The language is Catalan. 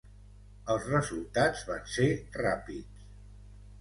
Els resultats van ser ràpids.